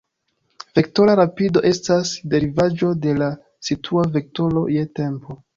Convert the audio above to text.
Vektora rapido estas derivaĵo de la situa vektoro je tempo.